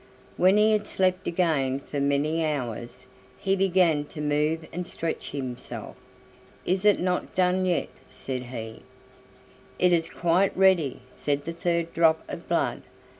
When he had slept again for many hours, he began to move and stretch himself. "Is it not done yet?" said he. "It is quite ready," said the third drop of blood.